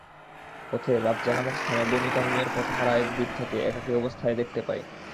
পথে রাবযা নামক স্থানে বনু তামীমের পথহারা এক বৃদ্ধাকে, একাকী অবস্থায় দেখতে পাই।